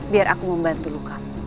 biar aku membantu lo